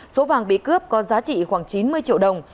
số vàng bị cướp có giá trị khoảng chín mươi triệu đồng